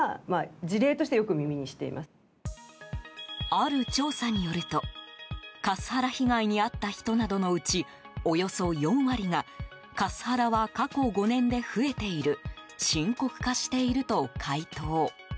ある調査によるとカスハラ被害に遭った人などのうちおよそ４割がカスハラは過去５年で増えている深刻化していると回答。